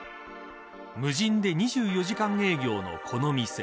無人で２４時間営業のこの店。